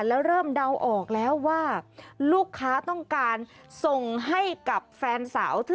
แล้วเริ่มเดาออกแล้วว่าลูกค้าต้องการส่งให้กับแฟนสาว